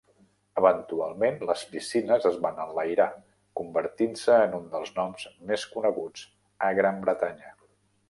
Eventualment les piscines es van enlairar, convertint-se en un dels noms més coneguts a Gran Bretanya.